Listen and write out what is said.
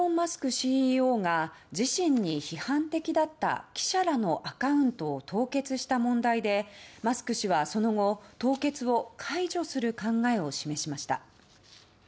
ＣＥＯが自身に批判的だった記者らのアカウントを凍結した問題でマスク氏はその後、凍結を解除する考えを示しました。